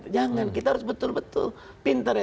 jangan kita harus betul betul pinter ya